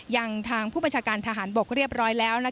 ยังทางผู้บัญชาการทหารบกเรียบร้อยแล้ว